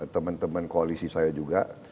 teman teman koalisi saya juga